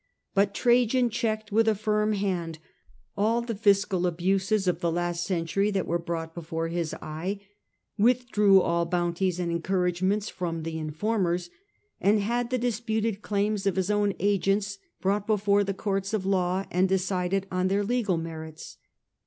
But Trajan checked with a firm Sdem of fiscal abuscs of the last century t.ixation, that werc brought before his eye, withdrew all bounties and encouragements from the informers, and had the disputed claims of his own agents brought before the courts of law and decided on their legal merits.